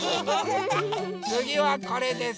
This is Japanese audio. つぎはこれです！